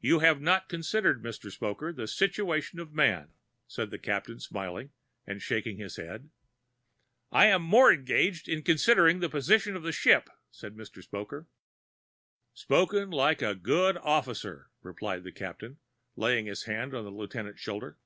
You have not considered, Mr. Spoker, the situation of man," said the Captain, smiling, and shaking his head. "I am much more engaged in considering the position of the ship," said Mr. Spoker. "Spoken like a good officer," replied the Captain, laying his hand on the lieutenant's shoulder.